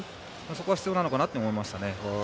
そこが必要なのかなと思いました。